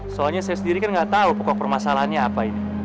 soalnya saya sendiri kan nggak tahu pokok permasalahannya apa ini